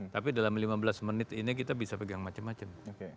tapi dalam lima belas menit ini kita bisa pegang macam macam